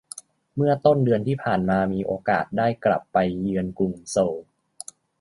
เมื่อต้นเดือนที่ผ่านมามีโอกาสได้กลับไปเยือนกรุงโซล